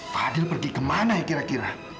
fadil pergi kemana ya kira kira